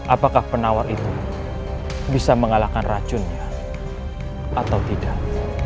apakah penawar itu bisa mengalahkan racunnya atau tidak